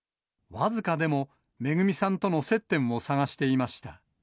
僅かでも、めぐみさんとの接点を探していました。